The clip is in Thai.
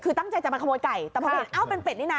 คือตั้งใจจะมาขโมยไก่แต่พอไปเห็นเอ้าเป็นเป็ดนี่นะ